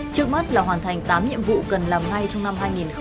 trước mắt là hoàn thành tám nhiệm vụ cần làm ngay trong năm hai nghìn hai mươi